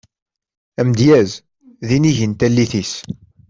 Amedyaz d inigi n tallit-is.